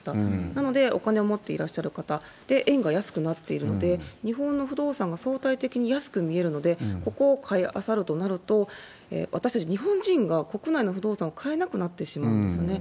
なので、お金を持っていらっしゃる方、円が安くなっているので、日本の不動産が相対的に安く見えるので、ここを買い漁るとなると、私たち日本人が国内の不動産を買えなくなってしまうんですよね。